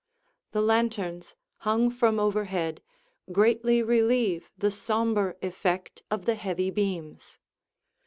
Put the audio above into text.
The lanterns, hung from overhead, greatly relieve the somber effect of the heavy beams.